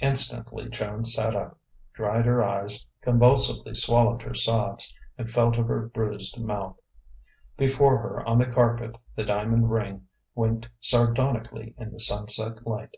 Instantly Joan sat up, dried her eyes, convulsively swallowed her sobs, and felt of her bruised mouth. Before her on the carpet the diamond ring winked sardonically in the sunset light.